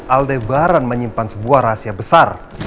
aldebaran menyimpan sebuah rahasia besar